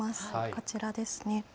こちらですね。